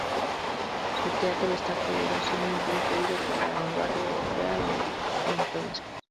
Su teatro está poderosamente influido por la vanguardia europea de entonces.